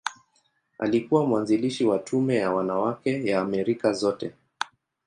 Alikuwa mwanzilishi wa Tume ya Wanawake ya Amerika Zote.